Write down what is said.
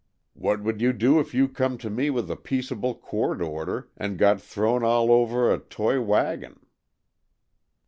What would you do if you come to me with a peaceable court order, and got throwed all over a toy wagon?"